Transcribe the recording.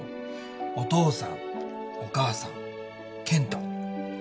お父さんお母さん健太。